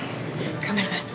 頑張ります！